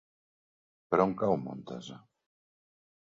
Per on cau Montesa?